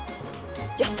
やった！